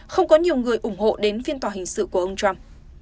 không có nhiều người ủng hộ đến phiên tòa hình sự của ông trump